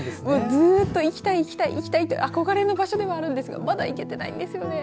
ずっと行きたいという憧れの場所ではあるんですがまだ行けてないんですよね。